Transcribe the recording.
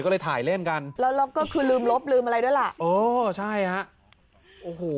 ก็เลยถ่ายเล่นกันแล้วแล้วก็คือลืมลบลืมอะไรด้วยล่ะอ๋อใช่ฮะโอ้โห